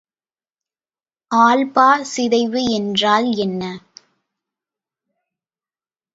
Alpha சிதைவு என்றால் என்ன?